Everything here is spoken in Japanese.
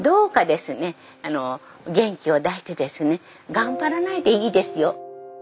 頑張らないでいいですよ。